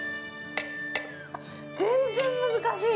あっ、全然難しい！